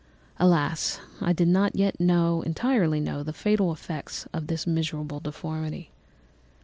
Alas! I did not yet entirely know the fatal effects of this miserable deformity.